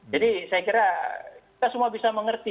jadi saya kira kita semua bisa mengerti